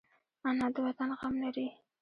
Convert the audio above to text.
انا د وطن غم لري